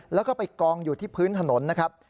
แล้วก็ไปกองอยู่ที่พื้นถนนนะครับ